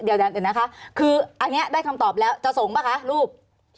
เดี๋ยวนะคะคืออันนี้ได้คำตอบแล้วจะส่งป่ะคะรูป